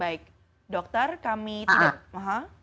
baik dokter kami tidak